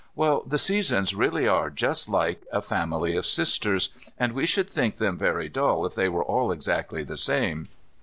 Well the Seasons really are just like a family of sisters, and we should find them very dull if they were all exactly the same.